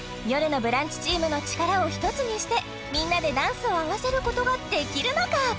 「よるのブランチ」チームの力を一つにしてみんなでダンスを合わせることができるのか？